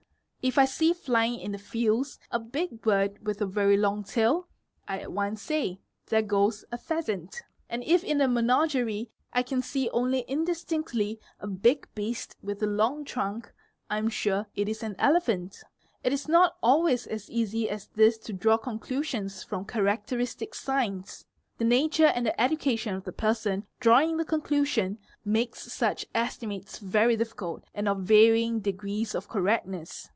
If I see flying in the fields a big bird with a very long tail, I at once say "there goes a pheasant'; and if in a menagerie I can see only indistinctly a big beast with a long trunk, [am sure it is an elephant. It is not always as easy as this to draw conclusions from characteristic signs; the nature and the — education of the person drawing the conclusion makes such estimates very different and of varying degrees of correctness.